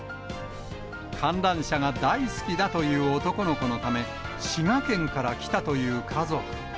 観覧車が大好きだという男の子のため、滋賀県から来たという家族。